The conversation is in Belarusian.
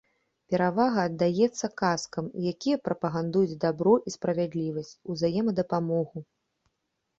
Перавага аддаецца казкам, якія прапагандуюць дабро і справядлівасць, узаемадапамогу.